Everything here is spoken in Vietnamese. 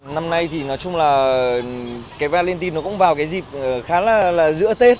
năm nay thì nói chung là cái valintin nó cũng vào cái dịp khá là giữa tết